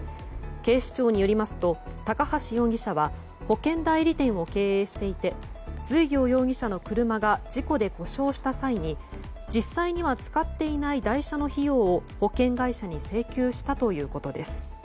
警視庁によりますと高橋容疑者は保険代理店を経営していて随行容疑者の車が事故で故障した際に実際には使っていない代車の費用を保険会社に請求したということです。